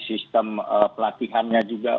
sistem pelatihannya juga